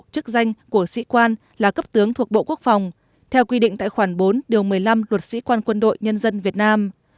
chức danh của sĩ quan là cấp tướng thuộc bộ quốc phòng theo quy định tại khoản bốn điều một mươi năm luật sĩ quan quân đội nhân dân việt nam